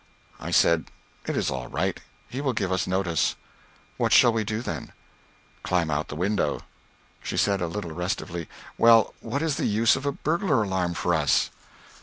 I said, "It is all right. He will give us notice." "What shall we do then then?" "Climb out of the window." She said, a little restively, "Well, what is the use of a burglar alarm for us?"